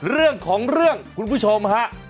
เรื่องของเรื่องคุณผู้ชมฮะ